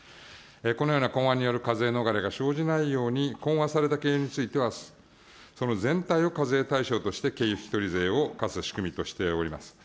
このような混和による課税逃れが生じないように、混和された軽油については、その全体を課税対象として、軽油引取税を課す仕組みとしております。